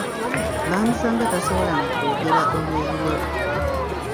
Baamusanga tasobola na kwogera olw'obulwadde.